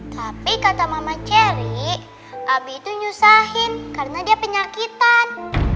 tapi kata mama cherry abi itu nyusahin karena dia penyakitan